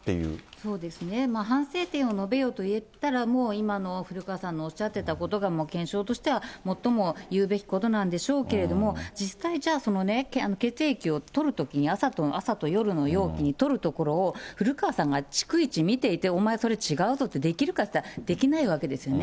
そうですね、反省点を述べよといったら、もう今の古川さんのおっしゃってたことが、もう検証としては、最も言うべきことなんでしょうけども、実際じゃあ、その血液を採るときに、朝と夜の容器に採るところを、古川さんが逐一見ていて、お前、それ違うぞってできるかっていったらできないわけですよね。